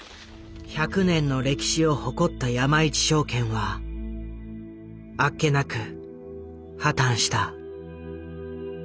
１００年の歴史を誇った山一証券はあっけなく破たんした。